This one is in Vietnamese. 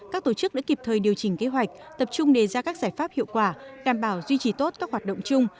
các tổ chức đã kịp thời điều chỉnh kế hoạch tập trung đề ra các giải pháp hiệu quả đảm bảo duy trì tốt các hoạt động chung